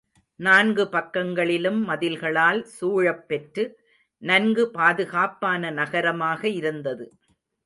நான்கு பக்கங்களிலும் மதில்களால் சூழப் பெற்று, நன்கு பாதுகாப்பான நகரமாக இருந்தது.